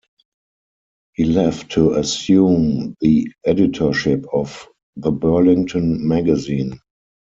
He left to assume the editorship of "The Burlington Magazine".